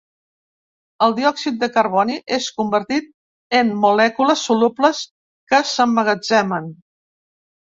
El diòxid de carboni és convertit en molècules solubles que s'emmagatzemen.